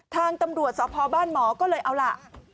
ทางตำรวจสพบ้านหมอก็เลยเอาล่ะ